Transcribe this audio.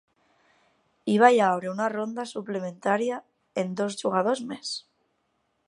Hi va haver una ronda suplementària amb dos jugadors més.